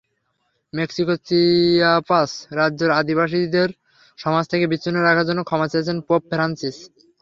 মেক্সিকোর চিয়াপাস রাজ্যের আদিবাসীদের সমাজ থেকে বিচ্ছিন্ন রাখার জন্য ক্ষমা চেয়েছেন পোপ ফ্রান্সিস।